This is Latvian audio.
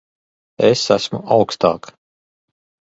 Es esmu augstāk.